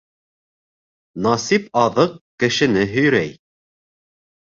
Насип аҙыҡ кешене һөйрәй.